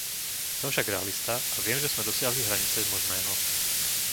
Som však realista a viem, že sme dosiahli hranice možného.